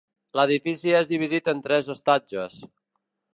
L'edifici és dividit en tres estatges.